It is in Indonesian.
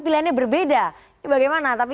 pilihannya berbeda bagaimana tapi